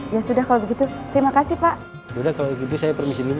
ya sudah kalau begitu terima kasih pak yaudah kalau gitu saya permisi dulu